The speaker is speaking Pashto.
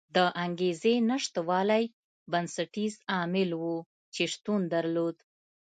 د انګېزې نشتوالی بنسټیز عامل و چې شتون درلود.